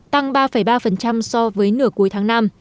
tăng ba ba so với nửa cuối tháng năm